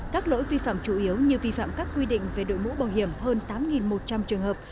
các lỗi vi phạm chủ yếu như vi phạm các quy định về đội mũ bảo hiểm hơn tám một trăm linh trường hợp